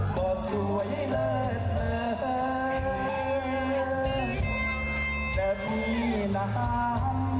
พอสวยเลิศเหลือเจ้ามีน้ำไก่